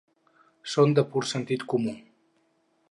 Són de pur sentit comú.